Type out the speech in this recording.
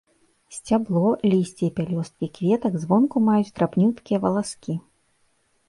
Сцябло, лісце і пялёсткі кветак звонку маюць драбнюткія валаскі.